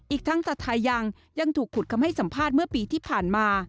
อีกทั้งสัทธายังยังถูกขุดคำให้สัมภาษณ์เมื่อปีที่ผ่านมา